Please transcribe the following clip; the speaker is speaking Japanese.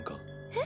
えっ？